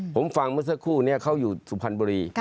ผมฟังเมื่อสักครู่นี้เขาอยู่สุพรรณบุรี